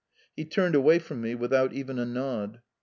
He turned away from me without even a nod.